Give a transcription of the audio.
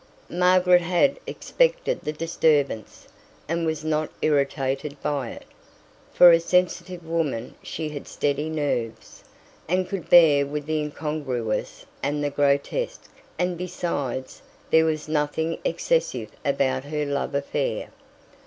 Margaret had expected the disturbance, and was not irritated by it. For a sensitive woman she had steady nerves, and could bear with the incongruous and the grotesque; and, besides, there was nothing excessive about her love affair.